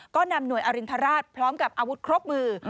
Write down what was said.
ก็นำหน่วยอรินทราชพร้อมกับอาวุธครบมือ